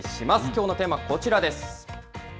きょうのテーマはこちらです。